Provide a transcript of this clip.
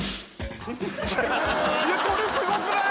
これすごくない？